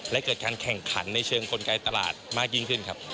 และเกิดการแข่งขันในเชิงกลไกตลาดมากยิ่งขึ้นครับ